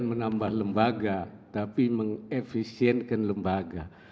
menambah lembaga tapi mengefisienkan lembaga